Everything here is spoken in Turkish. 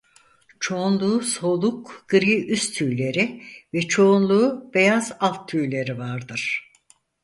Çoğunluğu soluk gri üst tüyleri ve çoğunluğu beyaz alt tüyleri vardır.